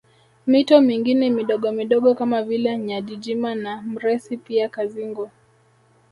Mito mingine midogomidogo kama vile Nyajijima na Mresi pia Kazingu